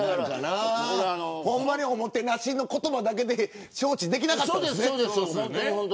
おもてなしの言葉だけで招致できなかったんですね。